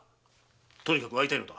とにかく会いたいのだ。